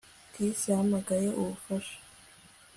Chris yahamagaye ubufasha